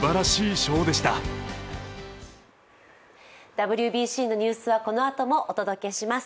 ＷＢＣのニュースはこのあともお届けします。